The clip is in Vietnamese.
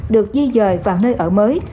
được di dời vào nơi ở mới